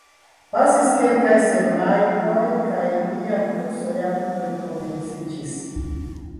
Pasis kelkaj semajnoj kaj mia kurso jam rekomenciĝis.